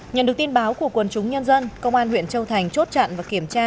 nhận được tin báo của quân chúng nhân dân công an huyện châu thành chốt chặn và kiểm tra